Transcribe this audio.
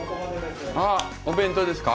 あっお弁当ですか？